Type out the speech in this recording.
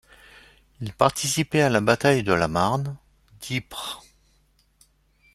Il participait à la bataille de la Marne, d'Ypres.